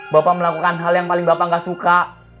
bapak melakukan hal yang paling bapak gak suka